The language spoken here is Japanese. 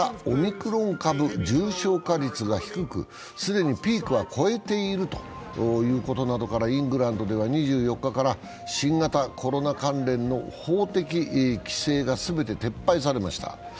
オミクロン株、重症化率が低く既にピークは越えているということなどから、イングランドでは２４日から新型コロナ関連の法的規制が全て撤廃されました。